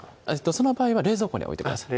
その場合は冷蔵庫に置いてください